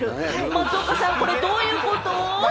松岡さん、これどういうこと？